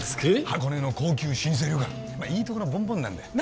箱根の高級老舗旅館いいとこのボンボンなんだよ